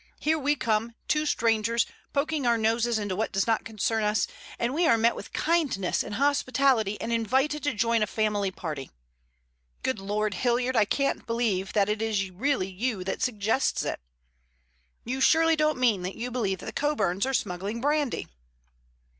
"Here we come, two strangers, poking our noses into what does not concern us, and we are met with kindness and hospitality and invited to join a family party. Good Lord, Hilliard, I can't believe that it is really you that suggests it! You surely don't mean that you believe that the Coburns are smuggling brandy?"